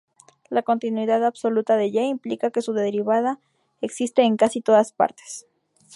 La continuidad absoluta de "y" implica que su derivada existe en casi todas partes.